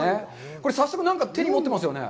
これ、早速何か手に持っていますよね。